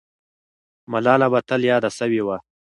ملاله به تل یاده سوې وه.